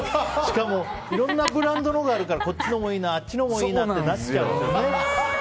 いろんなブランドのがあるからこっちのもいいなあっちのもいいなってなっちゃうんですよね。